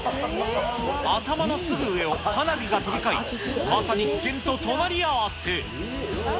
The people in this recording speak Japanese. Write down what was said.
頭のすぐ上を花火が飛び交い、まさに危険と隣り合わせ。